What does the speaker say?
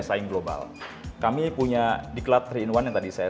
oleh karena itu kami punya misi untuk menciptakan sdm kita menjadi tuan rumah di negeri sendiri